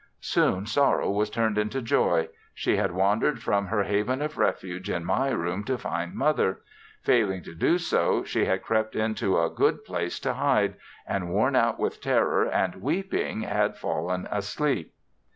Soon sorrow was turned into joy. She had wandered from her haven of refuge in my room to find Mother; failing to do so, she had crept into a good place to hide, and worn out with terror and weeping, had fallen asleep!